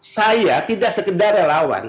saya tidak sekedar relawan